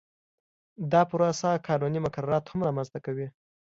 دا پروسه قانوني مقررات هم رامنځته کوي